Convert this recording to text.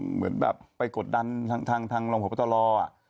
เหมือนแบบไปกดดันทางรองพบตร